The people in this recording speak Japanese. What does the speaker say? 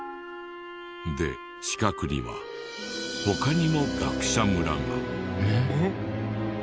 で近くには他にも学者村が。